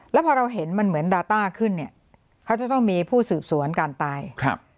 แล้วพอเราเห็นมันเหมือนดาต้าขึ้นเนี่ยเขาจะต้องมีผู้สืบสวนการตายครับ